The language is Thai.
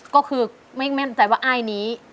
ก็คือไม่แม่นใจว่าไอ้นี้